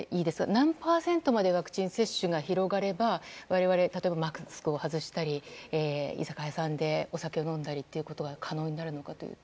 何パーセントまでワクチン接種が広がれば、我々は例えば、マスクを外したり居酒屋さんでお酒を飲んだりということが可能になるのか。